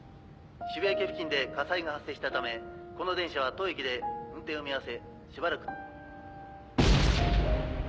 渋谷駅付近で火災が発生したためこの電車は当駅で運転を見合わせ。